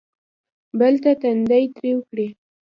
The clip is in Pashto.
بل ته تندی تریو کړي.